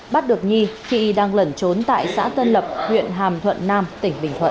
bắt được nhi khi đang lẩn trốn tại xã tân lập huyện hàm thuận nam tỉnh bình thuận